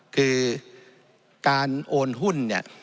คือการโอนหุ้น